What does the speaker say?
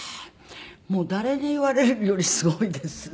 もう誰に言われるよりすごいです。